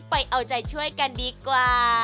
ไปเอาใจช่วยกันดีกว่า